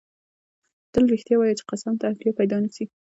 تل رښتیا وایه چی قسم ته اړتیا پیدا نه سي